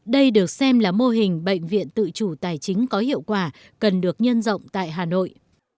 đây được xem là mô hình bệnh viện tự chủ tài chính có hiệu quả cần được nhân rộng tại hà nội